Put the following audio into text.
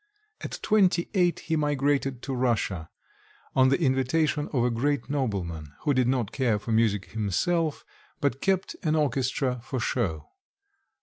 At twenty eight he migrated into Russia, on the invitation of a great nobleman, who did not care for music himself, but kept an orchestra for show.